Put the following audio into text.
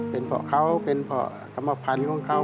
เป็นเพราะเขาเป็นเพราะกรรมพันธุ์ของเขา